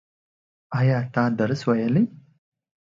ایا ته درس ویلی؟